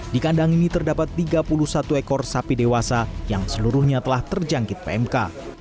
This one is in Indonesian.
di kandang ini terdapat tiga puluh satu ekor sapi dewasa yang seluruhnya telah terjangkit pmk